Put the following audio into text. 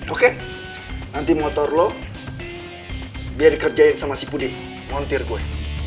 oke nanti motor lo biar dikerjain sama si puding montir gue